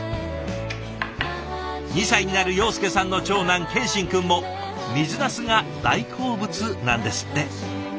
２歳になる庸介さんの長男健心くんも水なすが大好物なんですって。